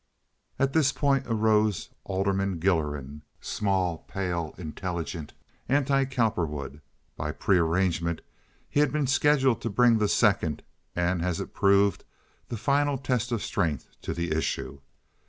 At this point arose Alderman Gilleran, small, pale, intelligent, anti Cowperwood. By prearrangement he had been scheduled to bring the second, and as it proved, the final test of strength to the issue.